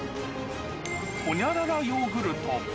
ホニャララヨーグルト。